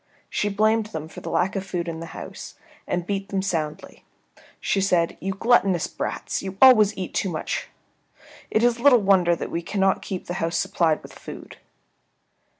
She blamed them for the lack of food in the house, and beating them soundly, she said, "You gluttonous brats; you always eat too much. It is little wonder that we cannot keep the house supplied with food."